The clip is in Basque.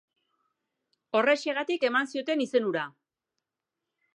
Horrexegatik eman zioten izen hura.